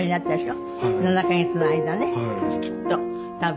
７カ月の間ねきっと多分。